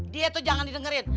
dia tuh jangan didengerin